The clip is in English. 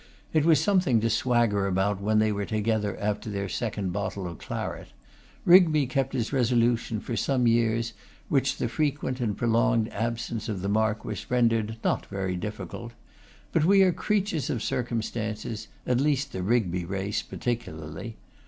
It was something to swagger about when they were together after their second bottle of claret. Rigby kept his resolution for some years, which the frequent and prolonged absence of the Marquess rendered not very difficult. But we are the creatures of circumstances; at least the Rigby race particularly.